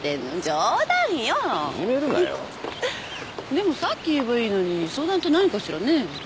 でもさっき言えばいいのに相談って何かしらね。